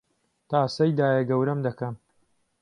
تاسەی دایەگەورەم دەکەم